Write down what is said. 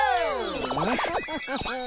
ムフフフフ。